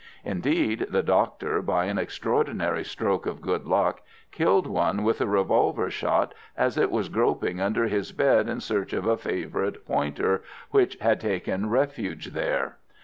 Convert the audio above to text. Indeed, the doctor, by an extraordinary stroke of good luck, killed one with a revolver shot as it was groping under his bed in search of a favourite pointer which had taken refuge there.